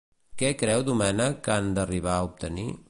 Què creu Domènech que han d'arribar a obtenir?